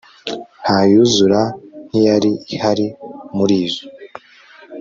ntayuzura nkiyali ihali murizo